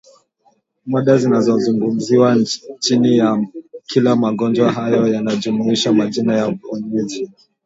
Mada zinazozungumziwa chini ya kila magonjwa hayo zinajumuisha majina ya wenyeji